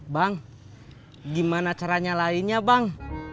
bang gimana caranya lainnya bang